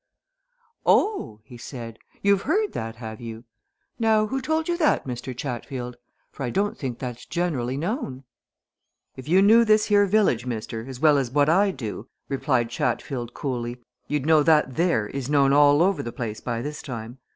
"Oh!" he said. "You've heard that, have you? Now who told you that, Mr. Chatfield? For I don't think that's generally known." "If you knew this here village, mister, as well as what I do," replied Chatfield coolly, "you'd know that there is known all over the place by this time.